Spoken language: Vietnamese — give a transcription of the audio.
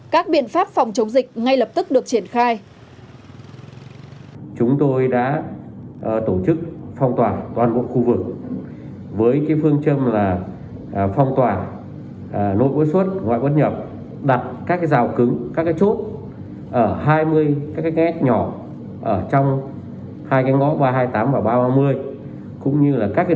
các biện pháp phòng chống dịch ngay lập tức được triển khai